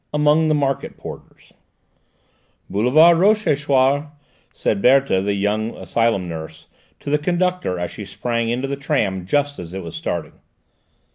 AMONG THE MARKET PORTERS "Boulevard Rochechouart," said Berthe, the young asylum nurse, to the conductor as she sprang into the tram just as it was starting.